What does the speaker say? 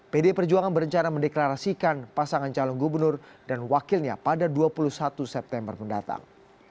pdi perjuangan berencana mendeklarasikan pasangan calon gubernur dan wakilnya pada dua puluh satu september mendatang